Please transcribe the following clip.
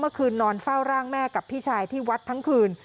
นอนเฝ้าร่างแม่กับพี่ชายที่วัดทั้งคืน